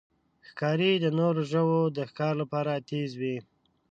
ښکاري د نورو ژوو د ښکار لپاره تیز وي.